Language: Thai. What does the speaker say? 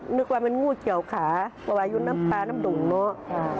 นึกว่ามันงูเกี่ยวขาก็ว่ายูน้ำปลาน้ำดุงเนาะ